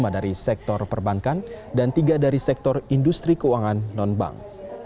lima dari sektor perbankan dan tiga dari sektor industri keuangan non bank